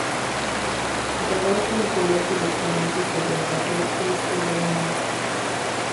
Su trabajo en color directamente sobre el papel es el de un maestro.